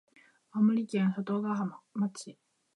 青森県外ヶ浜町